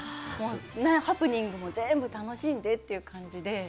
もうハプニングも全部楽しんでっていう感じで。